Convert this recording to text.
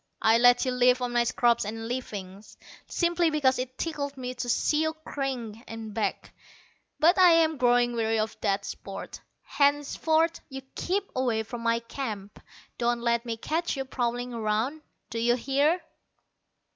I let you live on my scraps and leavings, simply because it tickled me to see you cringe and beg. But I am growing weary of that sport. Henceforth you keep away from my camp. Don't let me catch you prowling around, d'you hear?